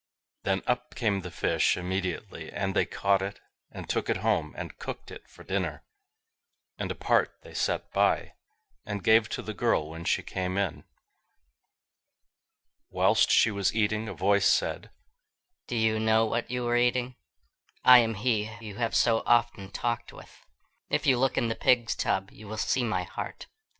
Then up came the fish immediately, and they caught it, and took it home, and cooked it for dinner—and a part they set by, and gave to the girl when she came in. Whilst she was eating, a voice said, "Do you know what you are eating? I am he you have so often talked with. If you look in the pig's tub, you will see my heart."